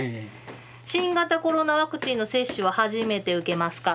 「新型コロナワクチンの接種は初めて受けますか」。